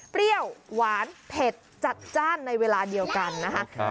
เปรี้ยวหวานเผ็ดจัดจ้านในเวลาเดียวกันนะคะ